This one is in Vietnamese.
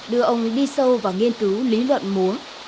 đưa ông đi sâu vào nghiên cứu lý luận múa